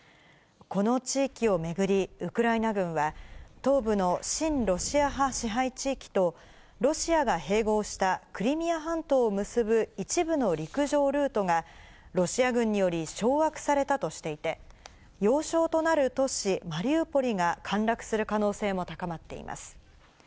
この地域を巡り、ウクライナ軍は、東部の親ロシア派支配地域とロシアが併合したクリミア半島を結ぶ一部の陸上ルートが、ロシア軍により掌握されたとしていて、要衝となる都市マリウポリが陥落する可能性も高まっています。